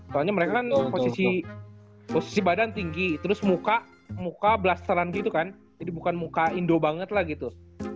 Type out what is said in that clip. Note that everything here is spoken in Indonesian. soalnya mereka kan posisi badan tinggi terus muka muka blasteran gitu kan jadi bukan muka indo banget lah gitu